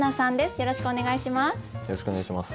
よろしくお願いします。